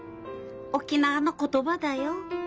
沖縄の言葉だよ。